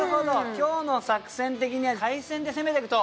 今日の作戦的には海鮮で攻めてくと。